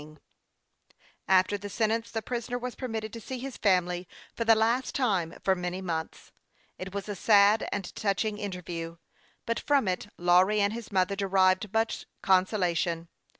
100 HASTE AND WASTE, OR After the sentence the prisoner was permitted to see his family for the last time for many months. It was a sad and touching interview ; but from it Lawry and his mother derived much consolation.